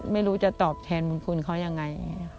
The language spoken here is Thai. ไม่รู้จะตอบแทนบุญคุณเขายังไง